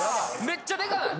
めっちゃでかない？